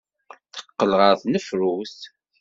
Teqqel ɣer tnefrut.